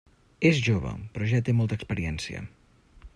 És jove, però ja té molta experiència.